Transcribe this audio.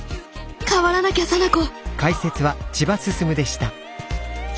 変わらなきゃ沙名子！